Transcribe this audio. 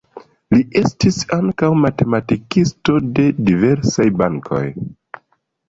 Li estis ankaŭ matematikisto de diversaj bankoj.